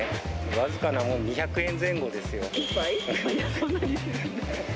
僅かなもの、２００円前後ですよ。